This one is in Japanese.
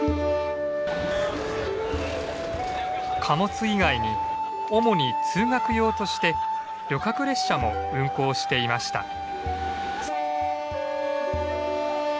貨物以外に主に通学用として旅客列車も運行していました。